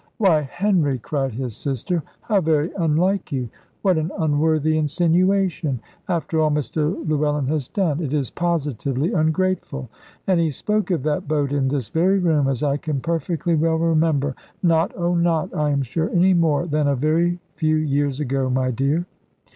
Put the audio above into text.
"Why, Henry!" cried his sister; "how very unlike you! What an unworthy insinuation! After all Mr Llewellyn has done; it is positively ungrateful. And he spoke of that boat in this very room, as I can perfectly well remember, not oh not I am sure any more than a very few years ago, my dear."